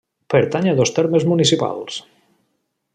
Pertany a dos termes municipals: